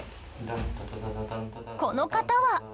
この方は。